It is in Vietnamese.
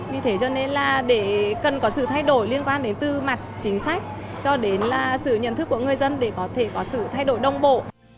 vì thế cho nên là để cần có sự thay đổi liên quan đến từ mặt chính sách cho đến sự nhận thức của người dân để có thể có sự thay đổi đồng bộ